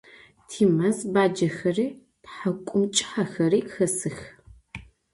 Timez bacexeri thak'umç'ıhexeri xesıx.